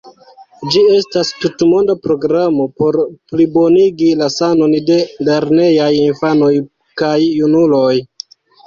Ĝi estas tutmonda programo por plibonigi la sanon de lernejaj infanoj kaj junuloj.